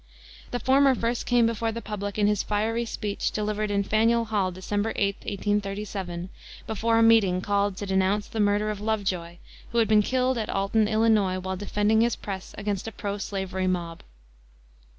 The former first came before the public in his fiery speech, delivered in Faneuil Hall December 8, 1837, before a meeting called to denounce the murder of Lovejoy, who had been killed at Alton, Ill., while defending his press against a pro slavery mob.